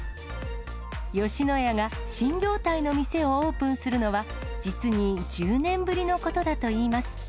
吉野家が新業態の店をオープンするのは、実に１０年ぶりのことだといいます。